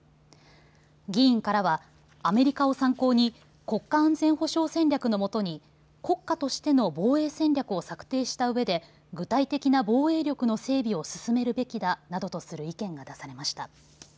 議員からはアメリカを参考に国家安全保障戦略のもとに国家としての防衛戦略を策定したうえで具体的な防衛力の整備を進めるべきだなどとする意見が出されました。